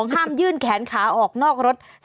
ห้ามยื่นแขนขาออกนอกรถ